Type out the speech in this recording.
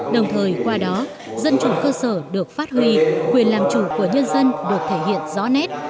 đồng thời qua đó dân chủ cơ sở được phát huy quyền làm chủ của nhân dân được thể hiện rõ nét